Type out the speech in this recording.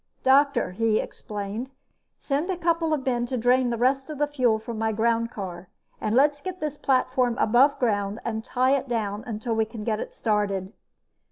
"Doctor!" he explained. "Send a couple of men to drain the rest of the fuel from my groundcar. And let's get this platform above ground and tie it down until we can get it started."